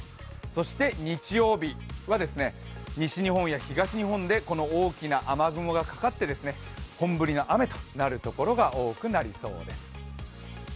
そして日曜日は西日本や東日本で大きな雨雲がかかって本降りの雨となるところが多くなりそうです。